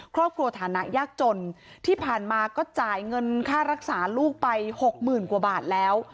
ฐานะยากจนที่ผ่านมาก็จ่ายเงินค่ารักษาลูกไปหกหมื่นกว่าบาทแล้ว